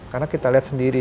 karena kita lihat sendiri